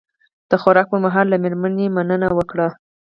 د خوراک پر مهال له میرمنې مننه وکړه.